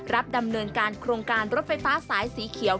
ดำเนินการโครงการรถไฟฟ้าสายสีเขียว